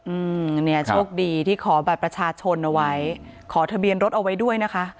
อืมเนี่ยโชคดีที่ขอบัตรประชาชนเอาไว้ขอทะเบียนรถเอาไว้ด้วยนะคะ